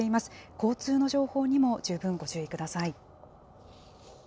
交通の情報にも十分ご注意ください。